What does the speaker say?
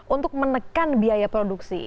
untuk menekan biaya produksi